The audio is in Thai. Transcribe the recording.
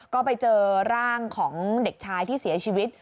ก็ไปเจอร่างของเด็กชายที่เสียชีวิต